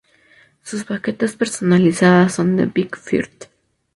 Sus baquetas personalizadas son de Vic Firth.